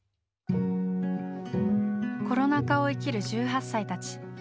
コロナ禍を生きる１８歳たち。